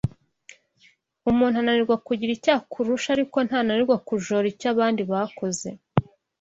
Umuntu ananirwa kugira icyo akurusha ariko ntananirwa kujora icyo abandi bakoze